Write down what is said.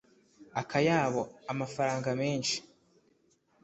akayabo: amafaranga menshi